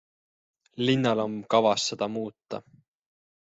Linnal on kavas seda muuta.